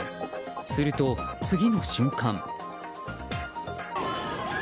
すると、次の瞬間。